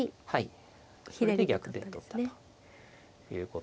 はい。